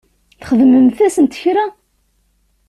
Txedmemt-asent kra?